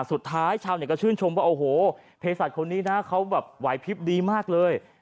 สุดท้ายชาวชื่นชมว่าโอ้โหเพศสัตว์คนนี้เขาไหวพลิปดีมากเลย